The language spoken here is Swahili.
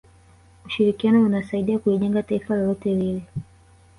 ushirikiano unasaidia kulijenga taifa lolote lile